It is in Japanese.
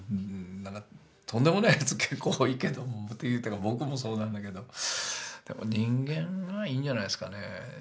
とんでもないやつ結構多いけども言ったら僕もそうなんだけど人間がいいんじゃないですかね。